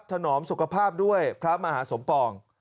ถนอมสุขภาพด้วยพระมหาสมปอง